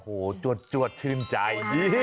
โอ้โหจวดชื่นใจ